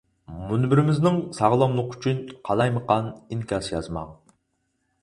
مۇنبىرىمىزنىڭ ساغلاملىقى ئۈچۈن، قالايمىقان ئىنكاس يازماڭ.